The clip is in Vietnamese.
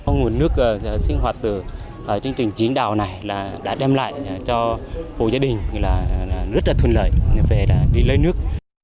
nguồn nước sinh hoạt từ chương trình chiến đảo này đã đem lại cho bộ gia đình rất là thuận lợi về lây nước